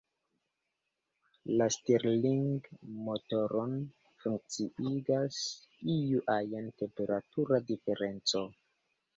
La Stirling-motoron funkciigas iu ajn temperatura diferenco.